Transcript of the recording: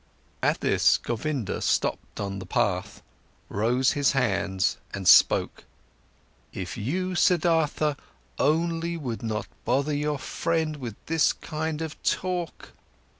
At this, Govinda stopped on the path, rose his hands, and spoke: "If you, Siddhartha, only would not bother your friend with this kind of talk!